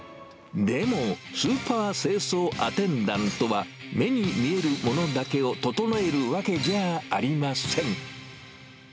でも、スーパー清掃アテンダントは、目に見えるものだけを整えるわけじゃあありません。